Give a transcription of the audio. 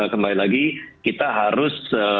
kembali lagi kita harus